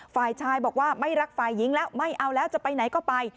ฝ่ายชายบอกว่าไม่รักฝ่ายหญิงแล้วไม่เอาแล้วจะไปไหนก็ไป